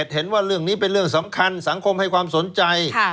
เห็นว่าเรื่องนี้เป็นเรื่องสำคัญสังคมให้ความสนใจ